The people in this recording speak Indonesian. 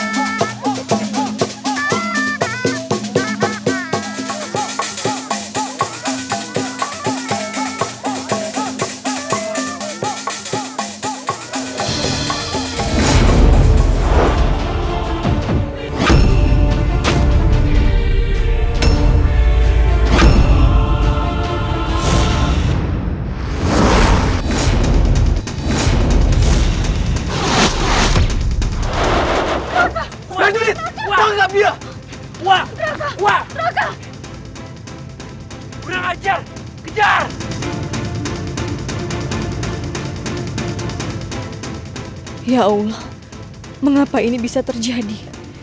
jangan jangan pergi